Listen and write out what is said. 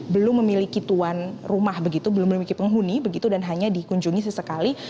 belum memiliki tuan rumah begitu belum memiliki penghuni begitu dan hanya dikunjungi sesekali